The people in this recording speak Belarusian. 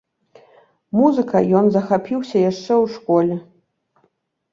Музыкай ён захапіўся яшчэ ў школе.